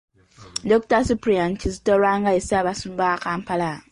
Dr. Ciprian Kizito Lwanga ye Ssaabasumba wa Kampala.